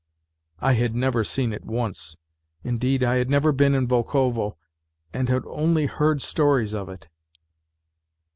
(I had never seen it once, indeed I had never been in Volkovo, and had only heard stories of it.)